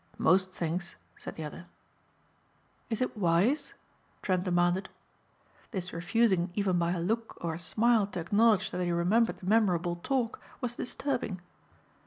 "Most things," said the other. "Is it wise?" Trent demanded. This refusing even by a look or a smile to acknowledge that he remembered the memorable talk was disturbing.